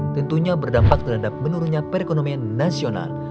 tentunya berdampak terhadap menurunnya perekonomian nasional